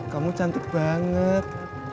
kamu cantik banget